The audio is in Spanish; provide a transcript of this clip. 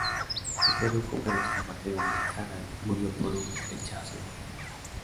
Se produjo un feroz combate donde Harald murió por un flechazo en la garganta.